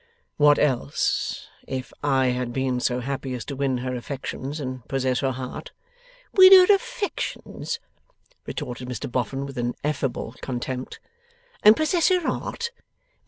'What else, if I had been so happy as to win her affections and possess her heart?' 'Win her affections,' retorted Mr Boffin, with ineffable contempt, 'and possess her heart!